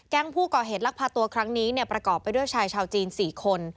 แก๊งผู้ก่อเหตุลักษณ์พลักษณ์ตัวครั้งนี้ประกอบไปด้วยชายชาวจีน๔คน